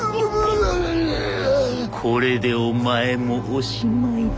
これでお前もおしまいだ。